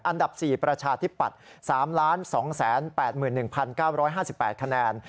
อันดับ๔ประชาธิปัตย์๓๒๘๑๙๕๘คะแนน